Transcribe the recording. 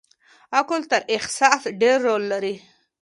عقل تر احساس ډېر رول لري.